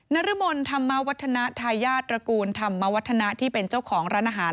นรมนธรรมาวัฒนธยาตรกูลธรรมาวัฒนธรรมานะที่เป็นเจ้าของร้านอาหาร